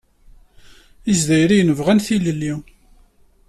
Izzayriyen bɣan tilelli.